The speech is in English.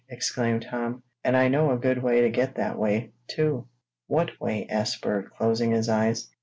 exclaimed Tom. "And I know a good way to get that way, too." "What way?" asked Bert, closing his eyes.